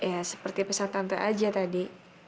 ya seperti pusat tante aja tadi